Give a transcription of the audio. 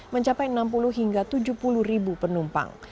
mencapai enam puluh hingga tujuh puluh ribu penumpang